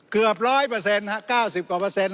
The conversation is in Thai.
เกือบ๑๐๐เปอร์เซ็นต์๙๐กว่าเปอร์เซ็นต์